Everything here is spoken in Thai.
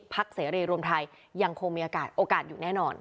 เสรีรวมไทยยังคงมีโอกาสอยู่แน่นอน